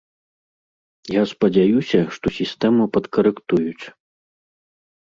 Я спадзяюся, што сістэму падкарэктуюць.